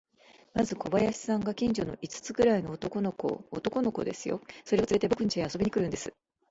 まず小林さんが、近所の五つくらいの男の子を、男の子ですよ、それをつれて、ぼくんちへ遊びに来るんです。